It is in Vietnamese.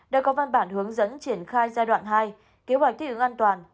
đã có văn bản hướng dẫn triển khai giai đoạn hai kế hoạch thi hướng an toàn